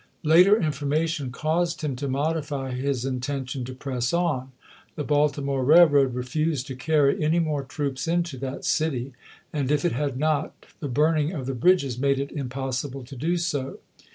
Later information caused him to modify his intention to press on. The Baltimore railroad re fused to carry any more troops into that city ; and if it had not, the bui'ning of the bridges made it impossible to do so.